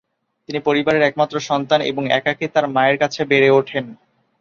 তিনি পরিবারের একমাত্র সন্তান এবং একাকী তার মায়ের কাছে বেড়ে ওঠেন।